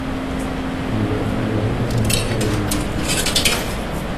Il leur fallait réinventer la ville.